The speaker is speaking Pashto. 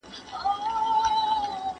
زړۀ دې پاک کړه د نفرت او د حسد نۀ